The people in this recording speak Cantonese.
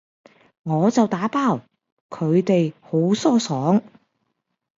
我就打包，佢哋好疏爽